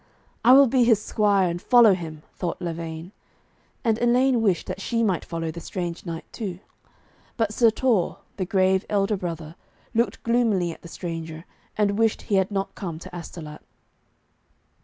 'I will be his squire and follow him,' thought Lavaine, and Elaine wished that she might follow the strange knight too. But Sir Torre, the grave elder brother, looked gloomily at the stranger, and wished he had not come to Astolat.